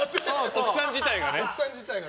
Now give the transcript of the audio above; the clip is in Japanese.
奥さん自体がね。